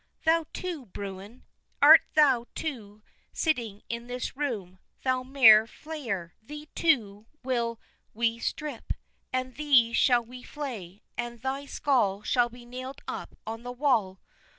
Thou, too, Bruin! Art thou, too, sitting in this room, thou mare flayer? Thee, too, will we strip, and thee shall we flay, and thy skull shall be nailed up on the wall."